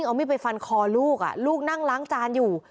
เอามีดไปฟันคอลูกลูกนั่งล้างจานอยู่